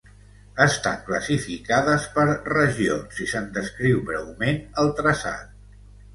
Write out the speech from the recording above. Estan classificades per regions i se'n descriu breument el traçat.